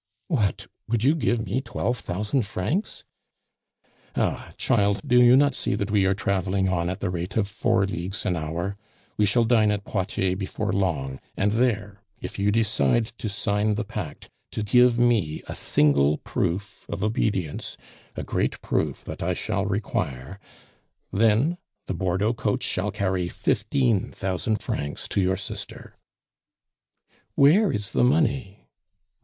"What! Would you give me twelve thousand francs?" "Ah! child, do you not see that we are traveling on at the rate of four leagues an hour? We shall dine at Poitiers before long, and there, if you decide to sign the pact, to give me a single proof of obedience, a great proof that I shall require, then the Bordeaux coach shall carry fifteen thousand francs to your sister " "Where is the money?"